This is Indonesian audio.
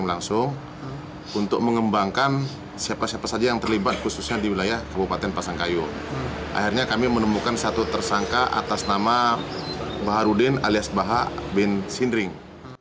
akhirnya kami menemukan satu tersangka atas nama baharudin alias baha bin sindring